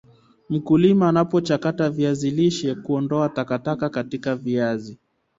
mkulima anapochakata viazi lishe Kuondoa takataka katika viazi